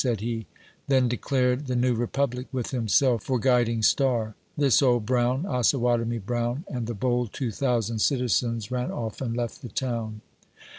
said he — Then declared the new Republic, with himself for guiding star — This Old Brown, Osawatomie Brown! And the bold two thousand citizens ran off aud left the town.